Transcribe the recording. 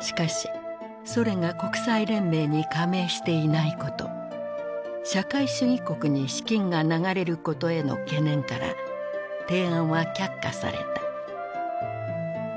しかしソ連が国際連盟に加盟していないこと社会主義国に資金が流れることへの懸念から提案は却下された。